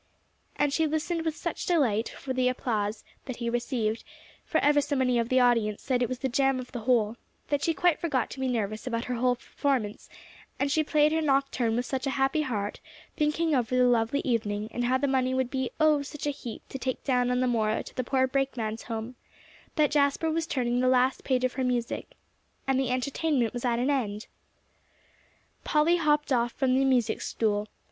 And she listened with such delight to the applause that he received for ever so many of the audience said it was the gem of the whole that she quite forgot to be nervous about her own performance; and she played her nocturne with such a happy heart, thinking over the lovely evening, and how the money would be, oh, such a heap to take down on the morrow to the poor brakeman's home, that Jasper was turning the last page of her music and the entertainment was at an end! Polly hopped off from the music stool.